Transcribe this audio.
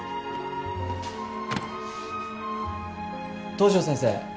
東上先生。